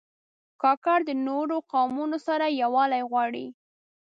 کاکړ د نورو قومونو سره یووالی غواړي.